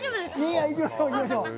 行きましょう！